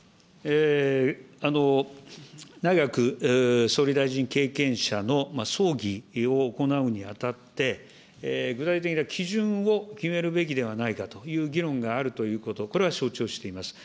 内閣総理大臣経験者の葬儀を行うにあたって、具体的な基準を決めるべきではないかという議論があるということ、これは承知をしています。